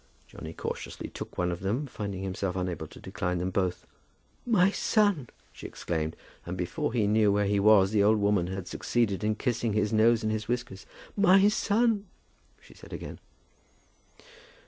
Johnny cautiously took one of them, finding himself unable to decline them both. "My son!" she exclaimed; and before he knew where he was the old woman had succeeded in kissing his nose and his whiskers. "My son!" she said again.